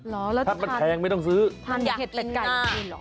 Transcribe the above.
เหรอแล้วถ้ามันแพงไม่ต้องซื้อมันอยากกินนะถ้ามันแพงไม่ต้องซื้อ